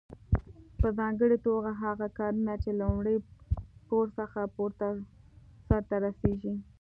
په ځانګړي توګه هغه کارونه چې له لومړي پوړ څخه پورته سرته رسیږي.